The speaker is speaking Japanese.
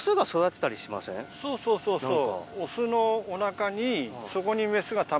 そうそうそうそう。